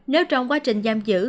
nếu trong quá trình giam giữ